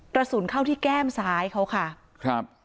กระสุนเข้าที่แก้มซ้ายเขาค่ะครับ